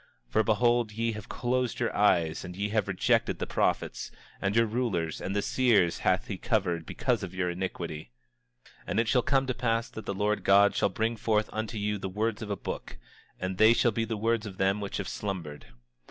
For behold, ye have closed your eyes, and ye have rejected the prophets; and your rulers, and the seers hath he covered because of your iniquity. 27:6 And it shall come to pass that the Lord God shall bring forth unto you the words of a book, and they shall be the words of them which have slumbered.